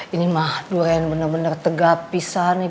ini mah duren bener bener tegap bisa nih